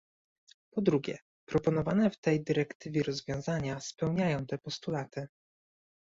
Po drugie, proponowane w tej dyrektywie rozwiązania spełniają te postulaty